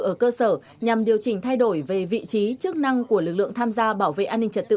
ở cơ sở nhằm điều chỉnh thay đổi về vị trí chức năng của lực lượng tham gia bảo vệ an ninh trật tự